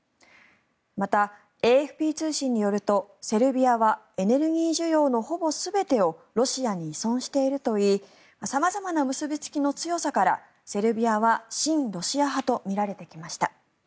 また、ＡＦＰ通信によるとセルビアはエネルギー需要のほぼ全てをロシアに依存しているといい様々な結びつきの強さからセルビアは親ロシア派とみられてきました。